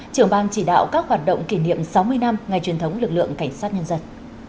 trưởng ban chỉ đạo các hoạt động kỷ niệm sáu mươi năm ngày truyền thống lực lượng cảnh sát nhân dân